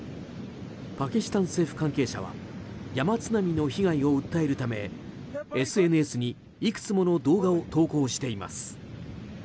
パキスタン政府関係者は山津波の被害を訴えるためＳＮＳに、いくつもの動画を投稿しています。